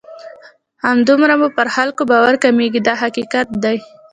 همدومره مو پر خلکو باور کمیږي دا حقیقت دی.